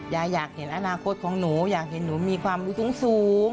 อยากเห็นอนาคตของหนูอยากเห็นหนูมีความรู้สูง